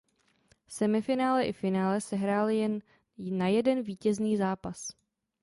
Semifinále i finále se hrály jen na jeden vítězný zápas.